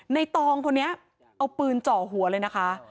ตองคนนี้เอาปืนเจาะหัวเลยนะคะ